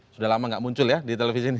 sudah lama nggak muncul ya di televisi ini